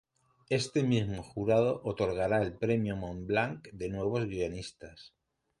Este mismo Jurado otorgará el Premio Montblanc de Nuevos Guionistas.